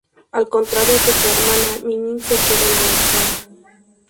Al contrario que su hermana, Minnie se quedó embarazada.